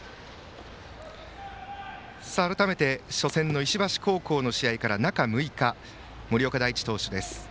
改めて初戦の石橋高校の試合から中６日という森岡大智投手です。